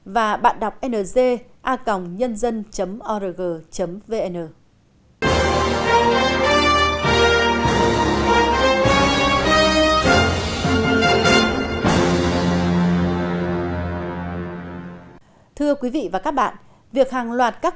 và bạn đọc ng a nhân dân org vn